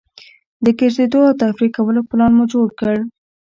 د ګرځېدو او تفریح کولو پلان مو جوړ کړ.